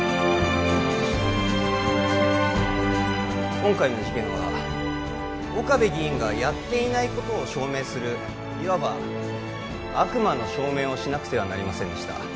今回の事件は岡部議員がやっていないことを証明するいわば悪魔の証明をしなくてはなりませんでした